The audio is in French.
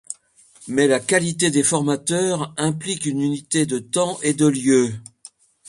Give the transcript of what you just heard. Mais la qualité des formateurs implique une unité de temps et de lieu.